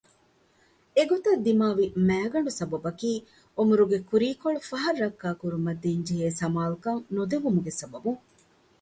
އެގޮތަށް ދިމާވި މައިގަނޑު ސަބަބަކީ ޢުމުރުގެ ކުރީ ކޮޅު ފަހަށް ރައްކާކުރުމަށް ދޭންޖެހޭ ސަމާލުކަން ނުދެވުމުގެ ސަބަބުން